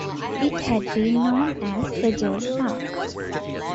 It had been known as "Sedgars Park".